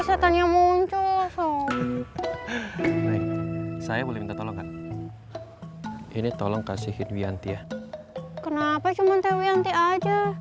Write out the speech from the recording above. setannya muncul so saya boleh minta tolongan ini tolong kasihin wianti ya kenapa cuma tewi anti aja